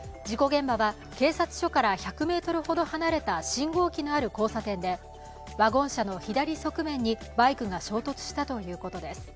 事故現場は警察署から１００ｍほど離れた信号機のある交差点でワゴン車の左側面にバイクが衝突したということです。